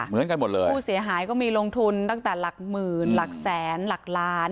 เหมือนกันหมดเลยผู้เสียหายก็มีลงทุนตั้งแต่หลักหมื่นหลักแสนหลักล้าน